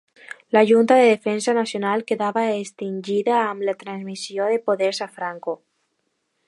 La Junta de Defensa Nacional quedava extingida amb la transmissió de poders a Franco.